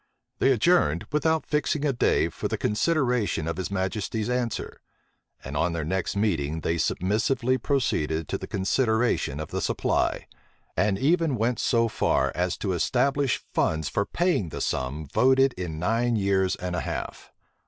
They adjourned without fixing a day for the consideration of his majesty's answer: and on their next meeting, they submissively proceeded to the consideration of the supply, and even went so far as to establish funds for paying the sum voted in nine years and a half.